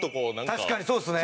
確かにそうですね。